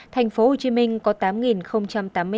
thành phố hồ chí minh có tám đồng đất